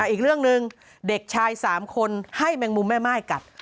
อีกเรื่องหนึ่งเด็กชาย๓คนให้แมงมุมแม่ม่ายกัด